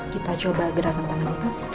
kita coba gerakan tangan itu